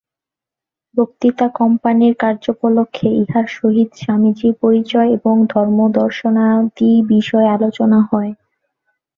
বক্তৃতা- কোম্পানীর কার্যোপলক্ষে ইঁহার সহিত স্বামীজীর পরিচয় এবং ধর্মদর্শনাদি বিষয়ে আলোচনা হয়।